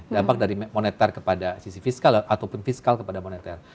dampak dari moneter kepada sisi fiskal ataupun fiskal kepada moneter